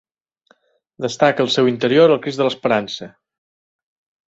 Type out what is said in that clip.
Destaca al seu interior el Crist de l'Esperança.